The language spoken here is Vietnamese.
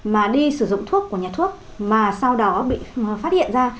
mà đi sử dụng thuốc của nhà thuốc mà sau đó bị phát hiện ra